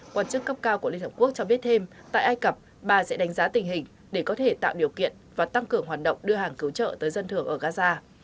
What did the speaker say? quản chức cấp cao của liên hợp quốc cho biết thêm tại ai cập bà sẽ đánh giá tình hình để có thể tạo điều kiện và tăng cường hoạt động đưa hàng cứu trợ tới dân thường ở gaza